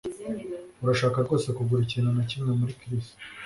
Urashaka rwose kugura ikintu na kimwe muri Chris